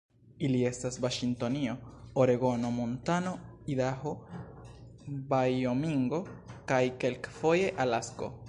Ili estas Vaŝingtonio, Oregono, Montano, Idaho, Vajomingo kaj kelkfoje Alasko.